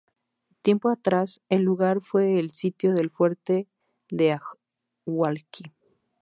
Tiempo atrás el lugar fue el sitio del Fuerte de Hualqui.